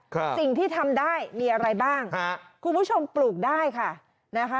สิ่งที่ทำได้มีอะไรบ้างฮะคุณผู้ชมปลูกได้ค่ะนะคะ